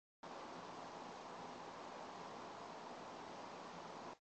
He had two children and two grandchildren.